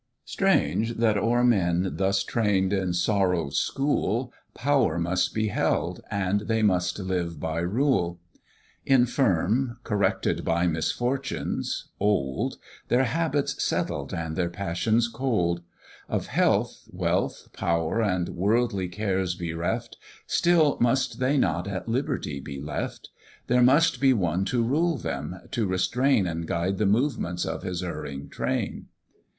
Strange! that o'er men thus train'd in sorrow's school, Power must be held, and they must live by rule; Infirm, corrected by misfortunes, old, Their habits settled and their passions cold; Of health, wealth, power, and worldly cares bereft, Still must they not at liberty be left; There must be one to rule them, to restrain And guide the movements of his erring train.